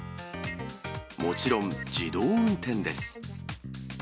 もちろん自動運転です。